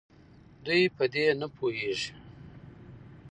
دوي په دې نپوهيږي